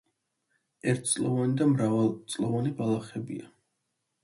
ერთწლოვანი და მრავალწლოვანი ბალახებია.